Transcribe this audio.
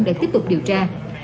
để tiếp tục điều tra